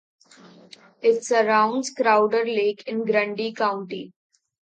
It surrounds Crowder Lake in Grundy County.